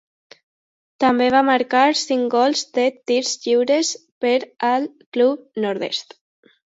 També va marcar cinc gols de tirs lliures per al club nord-est.